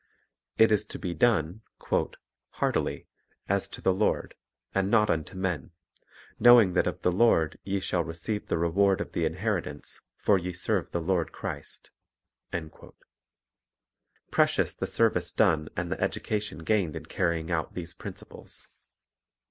It is to be done "heartily, as to the Lord, and not unto men ; knowing that of the Lord ye shall receive the reward of the inheritance; for ye serve the Lord Christ." 1 Precious the service done and the edu cation gained in carrying out these principles.